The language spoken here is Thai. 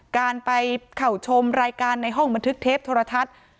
การไปเข้าชมรายการในห้องบันทึกเทปโทรทัศน์